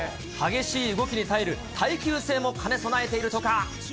激しい動きに耐える耐久性も兼ね備えているとか。